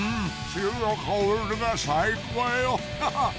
潮の香りが最高よハハっ！